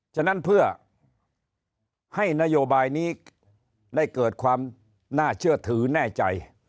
ฉะนั้นเพื่อให้นโยบายนี้ได้เกิดความน่าเชื่อถือแน่ใจ